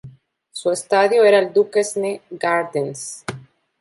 Su estadio era el Duquesne Gardens.